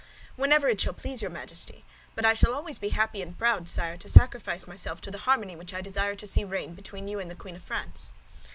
"Whenever it shall please your Majesty; but I shall be always happy and proud, sire, to sacrifice myself to the harmony which I desire to see reign between you and the Queen of France."